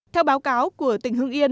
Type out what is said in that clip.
theo báo cáo của tỉnh hưng yên